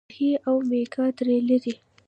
ماهي د اومیګا تري لري